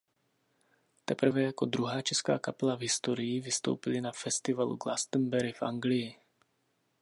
Teprve jako druhá česká kapela v historii vystoupili na festivalu Glastonbury v Anglii.